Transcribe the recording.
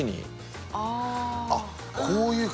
こういうふうに？